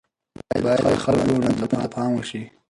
بايد د خلکو وړانديزونو ته پام وشي.